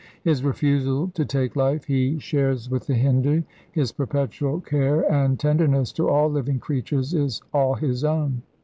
His refusal to take life he shares with the Hindu; his perpetual care and tenderness to all living creatures is all his own.